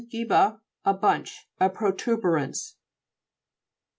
gibba, a bunch. A protuberance.